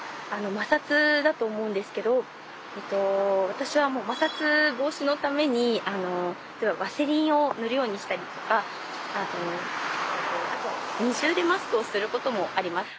私は摩擦防止のためにワセリンを塗るようにしたりとかあと二重でマスクをすることもあります。